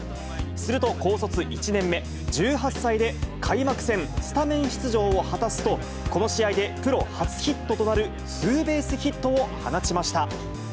すると高卒１年目、１８歳で開幕戦スタメン出場を果たすと、この試合でプロ初ヒットとなるツーベースヒットを放ちました。